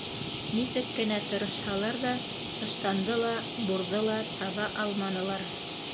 Нисек кенә тырышһалар ҙа, ыштанды ла, бурҙы ла таба алманылар.